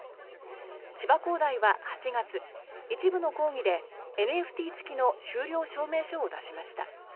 千葉工大は８月、一部の講義でＮＦＴ付きの修了証明書を出しました。